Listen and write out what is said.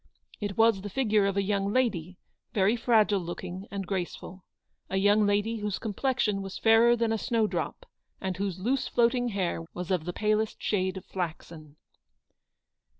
It was the figure of a young lady, very fragile looking and graceful, A young lady whose com plexion was fairer than a snow drop, and whose loose floating hair was of the palest shade of flaxen.